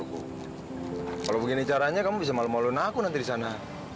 kalau begini caranya kamu bisa malu maluin aku nanti di sana